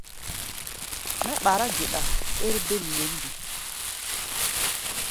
Mɛ́ ɓará geɗa ér bêm wěn ge?